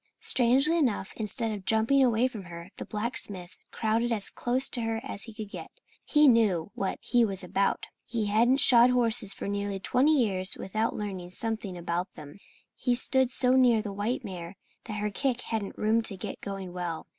Strangely enough, instead of jumping away from her, the blacksmith crowded as close to her as he could get. He knew what he was about. He hadn't shod horses for twenty years without learning something about them. He stood so near the white mare that her kick hadn't room to get going well.